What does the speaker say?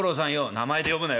「名前で呼ぶなよ